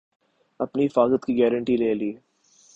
اپنی حفاظت کی گارنٹی لے لی